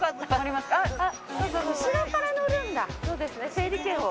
整理券を。